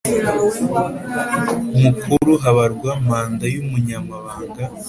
Mukuru habarwa manda y umunyamabanga